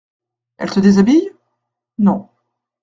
Elle te déshabille ? Non.